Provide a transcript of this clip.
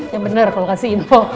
ya bener kalau kasih info